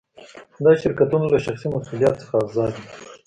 دا شرکتونه له شخصي مسوولیت څخه آزاد وي.